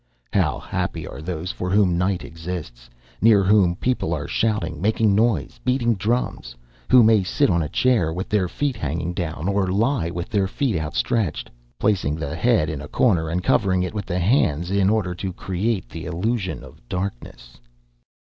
How happy are they for whom night exists, near whom people are shouting, making noise, beating drums; who may sit on a chair, with their feet hanging down, or lie with their feet outstretched, placing the head in a corner and covering it with the hands in order to create the illusion of darkness.